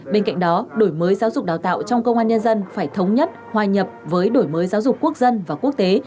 bên cạnh đó đổi mới giáo dục đào tạo trong công an nhân dân phải thống nhất hòa nhập với đổi mới giáo dục quốc dân và quốc tế